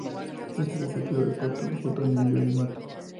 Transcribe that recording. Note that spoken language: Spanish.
La serie fue creada por Tom Fontana y Julie Martin.